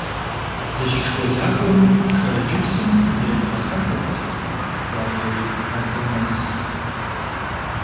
Дыщышколакӏуэм Шэрэджыпсым зредгъэхьэхырт къуажэ жыгхадэм нэс.